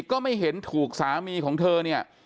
ก็ไม่เห็นถูกสามีของเธอเนี่ย